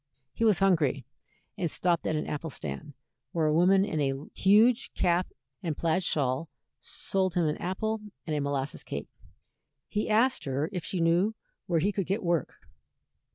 He was hungry, and stopped at an apple stand, where a woman in a huge cap and plaid shawl sold him an apple and a molasses cake. He asked her if she knew where he could get work.